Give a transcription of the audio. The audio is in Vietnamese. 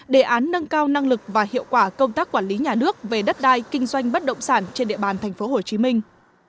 đề án nâng cao năng lực và hiệu quả công tác quản lý nhà nước về đất đai kinh doanh bất động sản trên địa bàn thành phố hồ chí minh